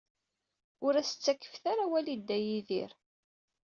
Ur as-ttakfet ara awal i Dda Yidir.